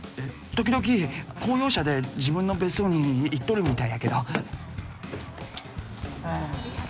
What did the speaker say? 時々公用車で自分の別荘に行っとるみたいやけど。